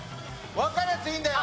わかるやつでいいんだよ。